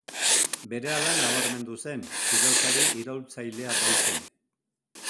Berehala nabarmendu zen, pilotari iraultzailea baitzen.